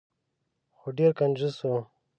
خو ډیر کنجوس و.